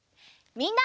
みんな。